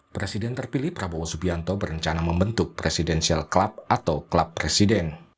presiden terpilih prabowo subianto berencana membentuk presidential club atau klub presiden